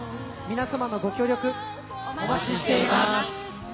皆様のご協力をお待ちしています。